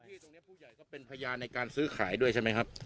ที่ตรงนี้ผู้ใหญ่ก็เป็นพยานในการซื้อขายด้วยใช่ไหมครับ